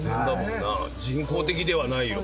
人工的ではないよ